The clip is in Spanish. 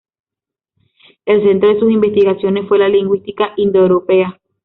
El centro de sus investigaciones fue la lingüística indoeuropea.